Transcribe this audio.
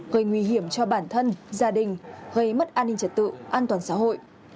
gây nguy hiểm cho bản thân gia đình gây mất an ninh trật tự an toàn xã hội